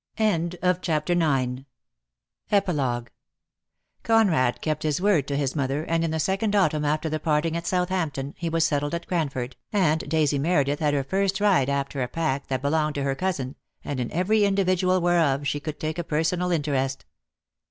DEAD LOVE HAS CHAINS, CQI EPILOGUE. Conrad kept his word to his mother, and in the second autumn after the parting at Southampton he was settled at Cranford, and Daisy Meredith had her first ride after a pack that belonged to her cousin, and in every individual whereof she could take a personal interest.